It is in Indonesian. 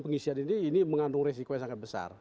pengisian ini ini mengandung resiko yang sangat besar